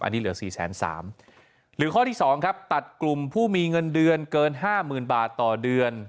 อันนี้เหลือ๔๐๓หรือข้อที่๒ครับตัดกลุ่มผู้มีเงินเดือนเกิน๕๐๐๐๐บาทต่อเดือน